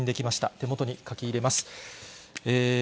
手元に書き入れます。